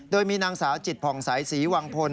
โดยมีนางสาวจิตผ่องใสศรีวังพล